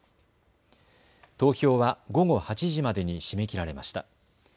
投票は午後８時までに締め切られました。